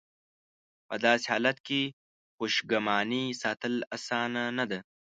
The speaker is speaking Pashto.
په داسې حالت کې خوشګماني ساتل اسانه نه ده.